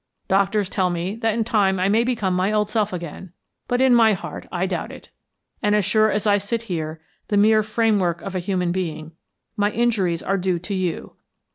Doctors tell me that in time I may become my old self again, but in my heart I doubt it, and as sure as I sit here the mere frame work of a human being, my injuries are due to you.